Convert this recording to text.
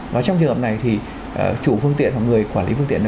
và trong trường hợp này thì chủ phương tiện hoặc người quản lý phương tiện này